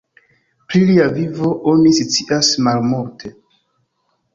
Pri lia vivo oni scias malmulte.